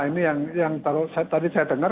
ini yang tadi saya dengar